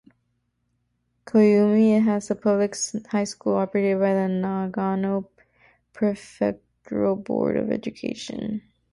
Koumi has a public high school operated by the Nagano Prefectural Board of Education.